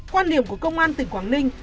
quan điểm của công an tỉnh quảng ninh